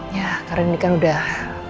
ya karena ini kan udah